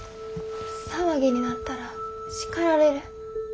騒ぎになったら叱られる。